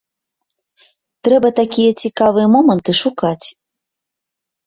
Трэба такія цікавыя моманты шукаць.